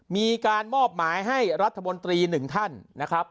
มีการมอบหมายให้รัฐมนตรีหนึ่งท่านนะครับ